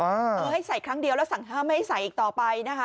เออให้ใส่ครั้งเดียวแล้วสั่งห้ามไม่ให้ใส่อีกต่อไปนะคะ